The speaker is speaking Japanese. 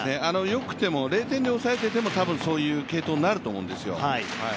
よくても０点に抑えていても多分そういう継投になると思うんですよ。